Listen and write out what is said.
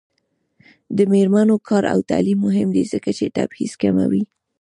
د میرمنو کار او تعلیم مهم دی ځکه چې تبعیض کموي.